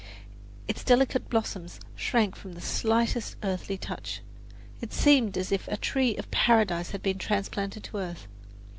Its delicate blossoms shrank from the slightest earthly touch; it seemed as if a tree of paradise had been transplanted to earth.